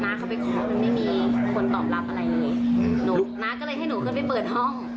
เข้าไปขอมันไม่มีคนตอบรับอะไรเลยหนูน้าก็เลยให้หนูขึ้นไปเปิดห้อง